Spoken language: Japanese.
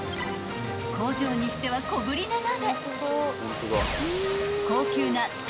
［工場にしては小ぶりな鍋］